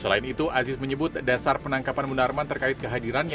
aziz menyebut dasar penangkapan munarman terkait kehadirannya